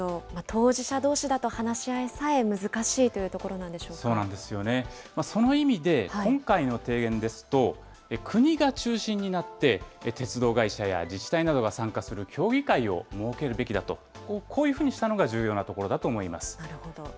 当事者どうしだと話し合いさえ難しいというところそうなんですよね、その意味で、今回の提言ですと、国が中心になって、鉄道会社や自治体などが参加する協議会を設けるべきだと、こういうふうにしたのが重要なるほど。